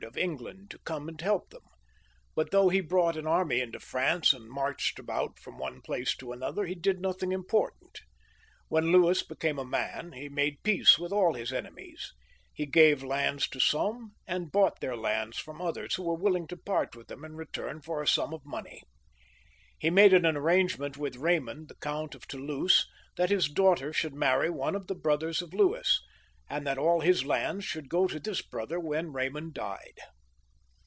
of England to come and help them, but though he brought an army into France and marched about from one place to another, he did nothing important. When Louis became a man he made peace with aU his enemies. He gave lands to some, and bought their lands from others 114 LOUIS IX. (SAINT LOUIS). ' [CH. ^^♦ who were willing to part horn them in return for a sum of money. He made an arrangement with Eaymond, the Count of Toulouse, that his daughter should marry one of the brothers of Louis, and that all his lands should go to this brother when Eaymond died.